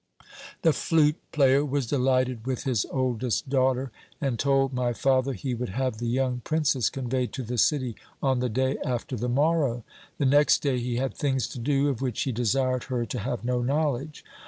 "The flute player was delighted with his oldest daughter, and told my father he would have the young princess conveyed to the city on the day after the morrow. The next day he had things to do of which he desired her to have no knowledge.